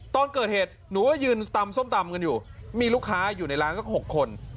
ตอนเกิดเหตุหนูก็ยืนตำส้มตำกันอยู่มีลูกค้าอยู่ในร้านสัก๖คน